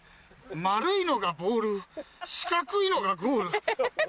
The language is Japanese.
「まるいのがボールしかくいのがゴール」。